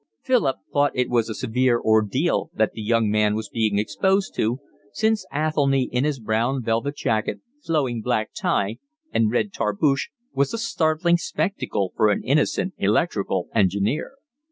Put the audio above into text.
Philip thought it was a severe ordeal that the young man was being exposed to, since Athelny, in his brown velvet jacket, flowing black tie, and red tarboosh, was a startling spectacle for an innocent electrical engineer.